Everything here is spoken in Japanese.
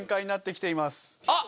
あっ！